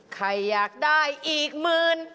ใครอยากได้อีกหมื่น